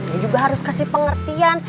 nah cece juga harus kasih pengertian